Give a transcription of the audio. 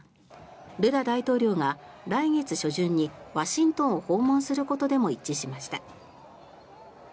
ルラ大統領が来月初旬にワシントンを訪問することでも一致しました。